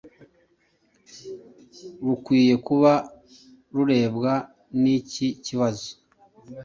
rukwiye kuba rurebwa n’iki kibazo